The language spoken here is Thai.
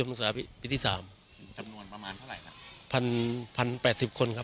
จำนวนประมาณเท่าไรครับ